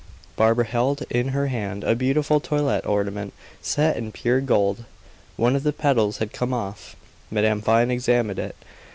Barbara held in her hand a beautiful toilette ornament, set in pure gold. One of the petals had come off. Madame Vine examined it.